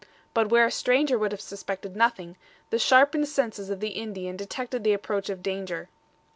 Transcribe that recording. But where a stranger would have suspected nothing, the sharpened senses of the Indian detected the approach of danger.